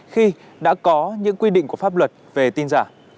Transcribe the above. khi đã có những quy định của pháp luật về tin giả